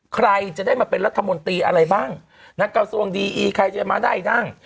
ใครจะได้มาเป็นรัฐมนตรีอะไรบ้างนักกระทรวงดีอีใครจะมาได้นั่ง